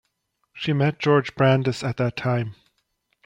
She met Georg Brandes at that time.